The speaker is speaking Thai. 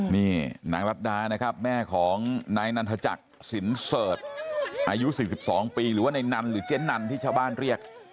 นี่นางรัฐดานะครับแม่ของนายนันทจักรสินเสิร์ชอายุ๔๒ปีหรือว่าในนันหรือเจ๊นันที่ชาวบ้านเรียก